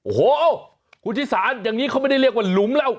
โอ้โหคุณชิสานอย่างนี้เขาไม่ได้เรียกว่าหลุมแล้ว